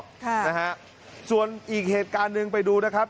ค่ะนะฮะส่วนอีกเหตุการณ์หนึ่งไปดูนะครับ